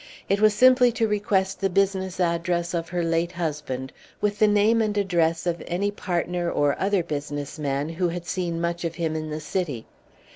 It was simply to request the business address of her late husband, with the name and address of any partner or other business man who had seen much of him in the City.